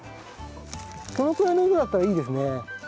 このくらいの色だったらいいですね。